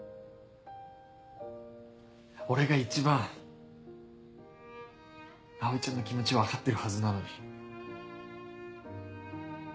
俺が一番葵ちゃんの気持ち分かってるはずなのに。